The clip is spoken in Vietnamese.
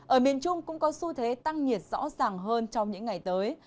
ở miền trung cũng có xu thế tăng nhiệt rõ ràng hơn trong những ngày tới